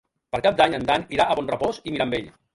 Per Cap d'Any en Dan irà a Bonrepòs i Mirambell.